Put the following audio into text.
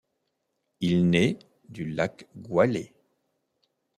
Il naît du lac Goillet.